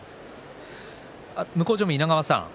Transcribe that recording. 向正面の稲川さん